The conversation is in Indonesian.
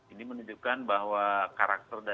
ini menunjukkan bahwa karakternya